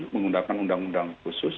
menggunakan undang undang khusus